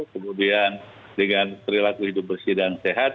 kemudian dengan perilaku hidup bersih dan sehat